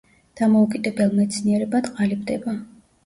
დამოუკიდებელ მეცნიერებად ყალიბდება.